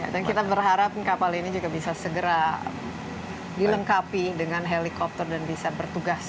dan kita berharap kapal ini juga bisa segera dilengkapi dengan helikopter dan bisa bertugas